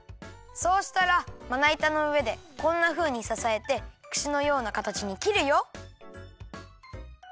そうしたらまないたのうえでこんなふうにささえてくしのようなかたちにきるよ。